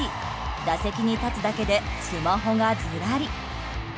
打席に立つだけでスマホがずらり。